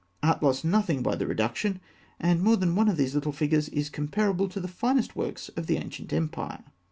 Art lost nothing by the reduction, and more than one of these little figures is comparable to the finest works of the ancient empire.